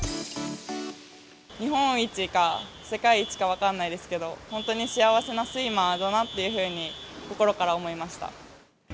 日本一か世界一か分かんないですけど、本当に幸せなスイマーだなというふうに、心から思いました。